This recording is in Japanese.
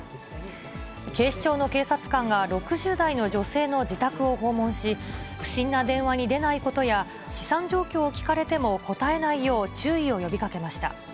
警視庁の警察官が、６０代の女性の自宅を訪問し、不審な電話に出ないことや、資産状況を聞かれても答えないよう、注意を呼びかけました。